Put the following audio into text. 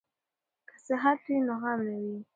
که صحت وي نو غم نه وي.